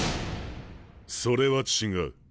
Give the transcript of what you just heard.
それは違う。